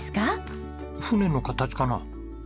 船の形かな？